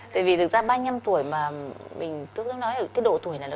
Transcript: tại vì thực ra ba mươi năm tuổi mà mình tức giống nói là độ tuổi này